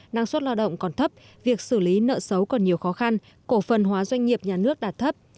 năng suất lao động còn thấp việc xử lý nợ xấu còn nhiều khó khăn cổ phần hóa doanh nghiệp nhà nước đạt thấp